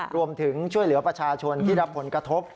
รวมถึงช่วยเหลือประชาชนที่รับผลกระทบ